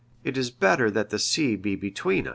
It is better that the sea be between us."